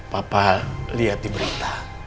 papa liat di berita